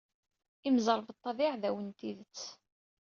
Imẓeṛbeṭṭa d iɛdawen n tidett.